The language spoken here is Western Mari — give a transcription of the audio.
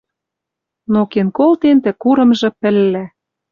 Но кен колтен тӹ курымжы пӹллӓ